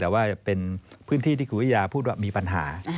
แต่ว่าเป็นพื้นที่ที่คุณวิทยาพูดว่ามีปัญหา